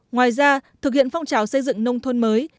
ngoài ra thực hiện phong trào xây dựng nông thôn mới